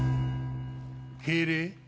敬礼？